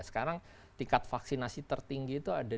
sekarang tingkat vaksinasi tertinggi itu ada